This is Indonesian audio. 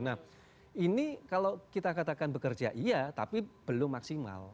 nah ini kalau kita katakan bekerja iya tapi belum maksimal